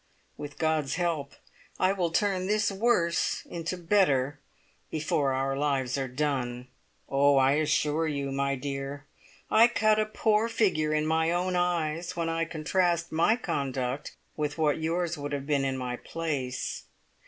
With God's help, I will turn this "worse" into "better" before our lives are done!' "Oh, I assure you, my dear, I cut a poor figure in my own eyes, when I contrast my conduct with what yours would have been in my place.